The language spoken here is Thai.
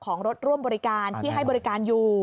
ของรถร่วมบริการที่ให้บริการอยู่